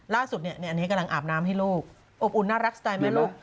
ล่าสุดอันนี้กำลังอาบน้ำให้ลูกอบอุ่นน่ารักสไตล์ไหมลูก